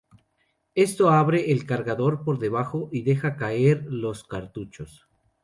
Esto abre el cargador por debajo y deja caer los cartuchos.